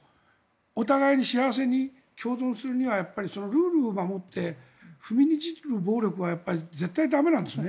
お互いに幸せに共存するにはルールを守って踏みにじる暴力は絶対に駄目なんですね。